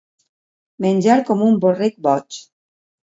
Menjar com un borrec boig.